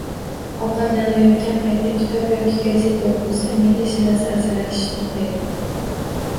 Ovqatlanayotgan paytda kitob yoki gazeta o‘qilsa, me’da shirasi ajralishi to‘xtaydi.